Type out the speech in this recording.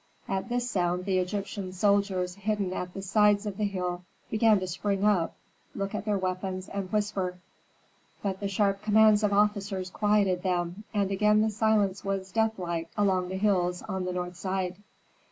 At this sound the Egyptian soldiers hidden at the sides of the hill began to spring up, look at their weapons, and whisper. But the sharp commands of officers quieted them, and again the silence was deathlike along the cliffs on the north side.